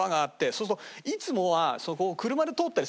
そうするといつもはそこを車で通ったりするの駅前で。